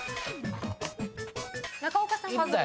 中岡さん。